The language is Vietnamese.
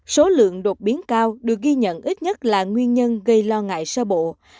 số lượng đột biến cao được ghi nhận ít nhất là nguyên nhân gây lo ngại sơ bộ